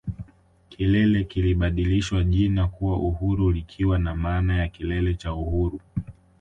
Kilele kilibadilishiwa jina kuwa Uhuru likiwa na maana ya Kilele cha Uhuru